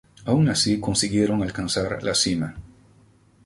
Aun así consiguieron alcanzar la cima.